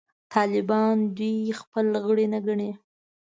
طالبان دوی خپل غړي نه ګڼي.